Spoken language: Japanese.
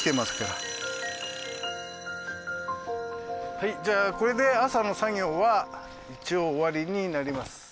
はいじゃあこれで朝の作業は一応終わりになります。